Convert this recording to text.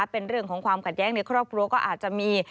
เป็นเรื่องของความขัดแย้งในครอบครัวก็อาจจะมี